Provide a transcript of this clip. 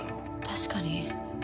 確かに。